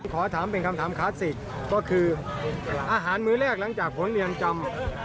ขอถามเป็นคำถามคลาสสิกก็คืออาหารมื้อแรกหลังจากผลเรือนจำ